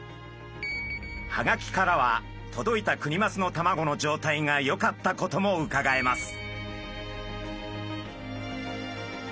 ハガキからは届いたクニマスの卵の状態がよかったこともうかがえます。